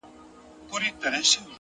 پوهه د غوره انتخاب سرچینه ده,